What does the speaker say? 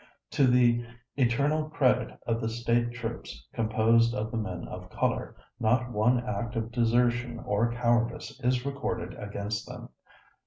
To the eternal credit of the State troops composed of the men of color, not one act of desertion or cowardice is recorded against them.